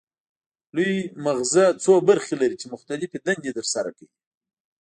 لوی مغزه څو برخې لري چې مختلفې دندې ترسره کوي